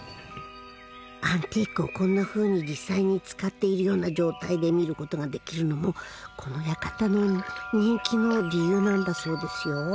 アンティークをこんなふうに実際に使っているような状態で見る事ができるのもこの館の人気の理由なんだそうですよ。